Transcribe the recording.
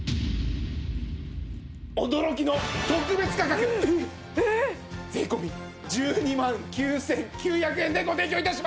驚きの特別価格税込１２万９９００円でご提供致します！